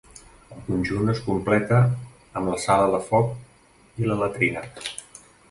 El conjunt es completa amb la sala de foc i la latrina.